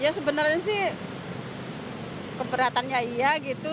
ya sebenarnya sih keberatannya iya gitu